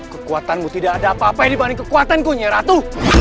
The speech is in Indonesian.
kekuatanmu tidak ada apa apa dibanding kekuatanku nyeratu